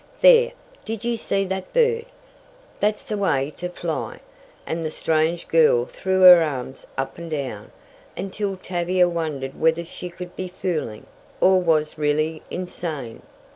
There, did you see that bird? That's the way to fly," and the strange girl threw her arms up and down, until Tavia wondered whether she could be fooling, or was really insane.